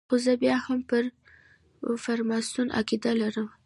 خو زه بیا هم پر فرماسون عقیده نه لرم.